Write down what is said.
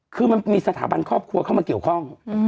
คือมันมีสถาบันครอบครัวเข้ามาเกี่ยวข้อง